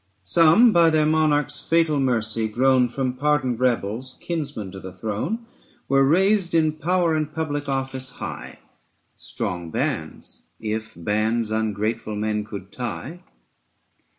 145 Some by their Monarch's fatal mercy grown From pardoned rebels kinsmen to the throne Were raised in power and public office high; Strong bands, if bands ungrateful men could tie.